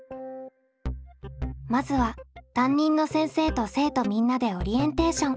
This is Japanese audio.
まずは担任の先生と生徒みんなでオリエンテーション。